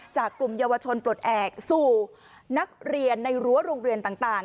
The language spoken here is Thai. กลุ่มเยาวชนปลดแอบสู่นักเรียนในรั้วโรงเรียนต่าง